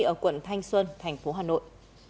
ở quận thanh xuân thành phố hà nội